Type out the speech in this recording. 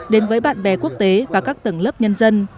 đến với bạn bè quốc tế và các tầng lớp nhân dân